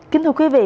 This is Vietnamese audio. kính thưa quý vị